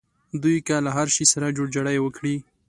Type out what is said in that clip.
دوی که له هر شي سره جوړجاړی وکړي.